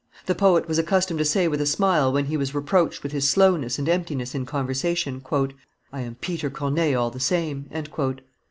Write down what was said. The poet was accustomed to say with a smile, when he was reproached with his slowness and emptiness in conversation, "I am Peter Corneille all the same."